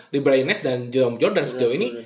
librian nash dan jerome jordan sejauh ini